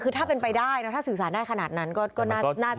คือถ้าเป็นไปได้ถ้าสื่อสารได้ขนาดนั้นก็น่าจะเป็นประโยชน์